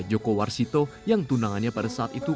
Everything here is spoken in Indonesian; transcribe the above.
joko warsito yang tunangannya pada saat itu